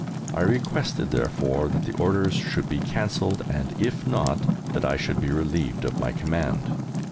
I requested therefore that the orders should be cancelled, and, if not, that I should be relieved of my command.